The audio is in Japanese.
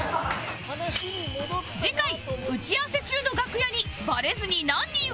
次回打ち合わせ中の楽屋にバレずに何人増やせる？